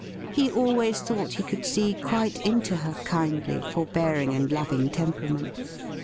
He always thought he could see quite into her kindly, forbearing, and loving temperament.